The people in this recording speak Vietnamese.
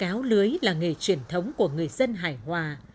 cáo lưới là nghề chuyển thống của người dân hải hòa